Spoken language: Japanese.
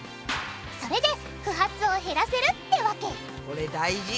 それで不発を減らせるってわけこれ大事！